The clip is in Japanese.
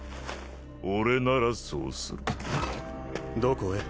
俺ならそうするどこへ？